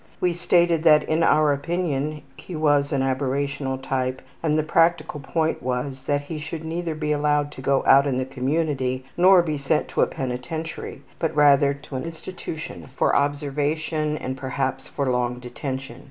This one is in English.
We stated that in our opinion he was an aberrational type and the practical point was that he should neither be allowed to go out in the community, nor be sent to a penitentiary, but rather to an institution for observation and perhaps for long detention.